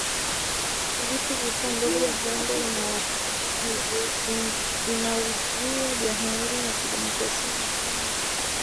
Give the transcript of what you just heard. Vitu vikuu ambavyo Uganda inaiuzia jamuhuri ya kidemokrasia ya Kongo